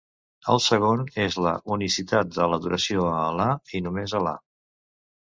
El segon és la unicitat de l'adoració a Al·là i només Al·là.